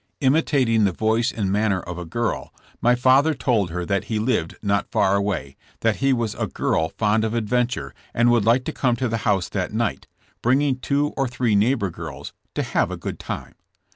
Imitating the voice and manner of a girl my father told her that he lived not far away, that he was a girl fond of adventure, and would like to come to the house that night, bringing two or three neigh bor girls, "to have a good time.'